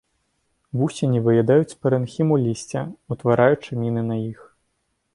Вусені выядаюць парэнхіму лісця, утвараючы міны на іх.